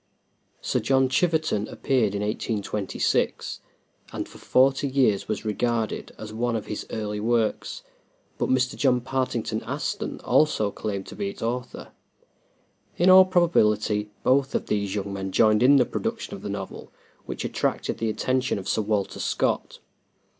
"Sir John Chiverton" appeared in 1826, and for forty years was regarded as one of his early works; but Mr. John Partington Aston has also claimed to be its author. In all probability, both of these young men joined in the production of the novel which attracted the attention of Sir Walter Scott.